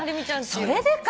それでか。